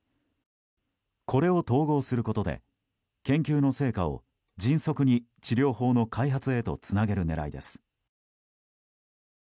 これを統合することで研究の成果を迅速に治療法の開発へとつなげる狙いです。